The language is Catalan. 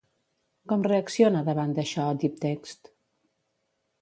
Com reacciona davant d'això DeepText?